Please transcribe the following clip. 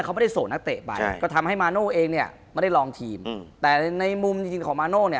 คุณผู้ชมบางท่าอาจจะไม่เข้าใจที่พิเตียร์สาร